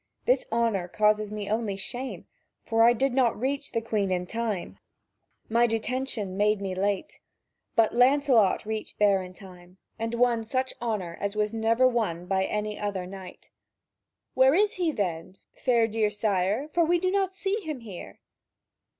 This honour causes me only shame, for I did not reach the Queen in time; my detention made me late. But Lancelot reached there in time, and won such honour as was never won by any other knight." "Where is he, then, fair dear sire, for we do not see him here?"